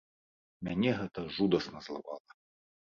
Мяне гэта жудасна злавала.